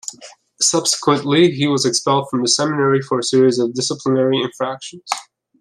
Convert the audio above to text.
Subsequently, he was expelled from the seminary for a series of disciplinary infractions.